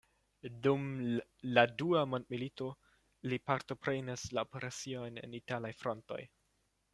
Dum la Dua mondmilito li partoprenis la operaciojn en italaj frontoj.